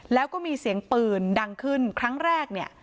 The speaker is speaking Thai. แล้วก็มีเสียงปืนดังขึ้นครั้งแรกเนี่ย